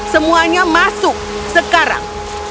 semuanya masuk sekarang